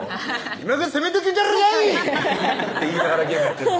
「今が攻め時じゃろがい！」って言いながらゲームやってんの？